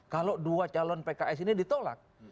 kalau dua calon pks ini ditolak